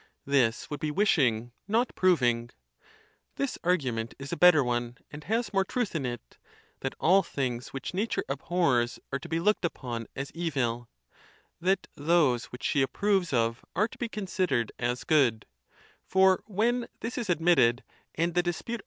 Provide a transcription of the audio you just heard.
This would be wishing, not proving. This argu ment is a better one, and has more truth in it—that all things which Nature abhors are to be looked upon as | evil; that those which she approves of are to be consider ed as good: for when this is admitted, and the dispute 76 THE TUSCULAN DISPUTATIONS.